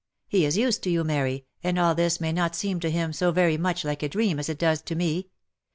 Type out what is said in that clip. He is used to you, Mary, and all this may not seem to him so very much like a dream as it does to me.